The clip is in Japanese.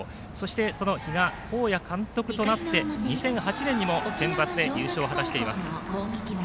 その比嘉公也監督となって２００８年にもセンバツで優勝を果たしています。